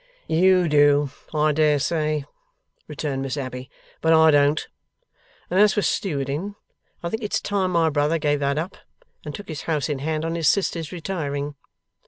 'YOU do, I dare say,' returned Miss Abbey, 'but I don't. And as for stewarding, I think it's time my brother gave that up, and took his House in hand on his sister's retiring.